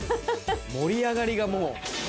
盛り上がりがもう。